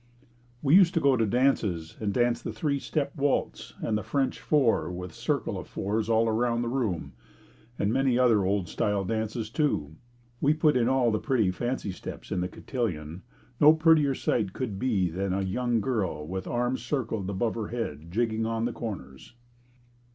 We used to go to dances and dance the threestep waltz and French four with a circle of fours all around the room, and many other old style dances, too. We put in all the pretty fancy steps in the cotillion. No prettier sight could be than a young girl, with arms circled above her head, jigging on the corners.